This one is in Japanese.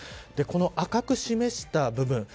この赤く示した部分。